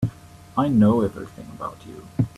I know everything about you.